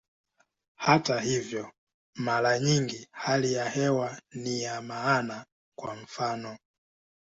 Hata hivyo, mara nyingi hali ya hewa ni ya maana, kwa mfano.